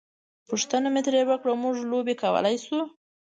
پوښتنه مې ترې وکړه: موږ لوبې کولای شو؟